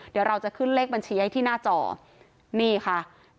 เดี๋ยวเราจะขึ้นเลขบัญชีให้ที่หน้าจอนี่ค่ะ